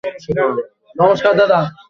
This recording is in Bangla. খোদাকে ধন্যবাদ, আমি ওখানে ছিলাম।